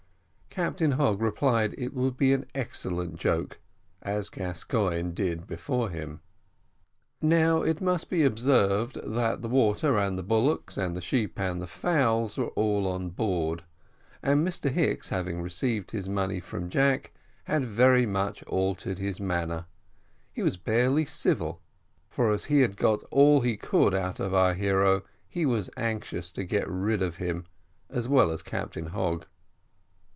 Captain Hogg replied it would be an excellent joke, as Gascoigne did before him. Now it must be observed, that the water and the bullocks, and the sheep and fowls, were all on board; and Mr Hicks, having received his money from Jack, had very much altered his manner; he was barely civil, for as he had got all he could out of our hero, he was anxious to get rid of him as well as of Captain Hogg.